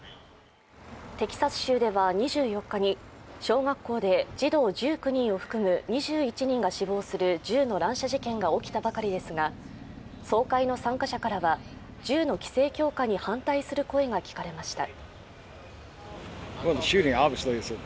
テキサス州では２４日に小学校で児童１９人を含む２１人が死亡する銃の乱射事件が起きたばかりですが総会の参加者からは銃の規制強化に反対する声が聞かれました。